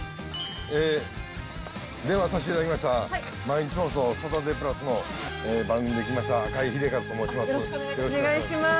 電話させていただきました、毎日放送、サタデープラスの番組で来ました赤井英和と申します。